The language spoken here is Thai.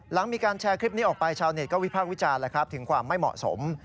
หลังมีการแชร์คลิปนี้ออกไปชาวเน็ตก็วิพากษ์วิจารณ์ถึงความไม่เหมาะสม